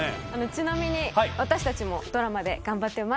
ちなみに私達もドラマで頑張ってます